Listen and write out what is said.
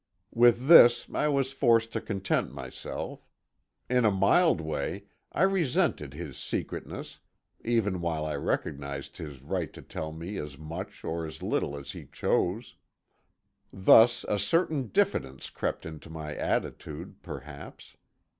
With this I was forced to content myself. In a mild way I resented his secretiveness, even while I recognized his right to tell me as much or as little as he chose. Thus a certain diffidence crept into my attitude, perhaps.